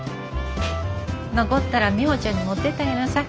残ったらミホちゃんに持ってってあげなさい。